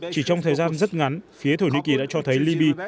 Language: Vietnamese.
chỉ trong thời gian rất ngắn phía thổ nhĩ kỳ đã cho thấy liby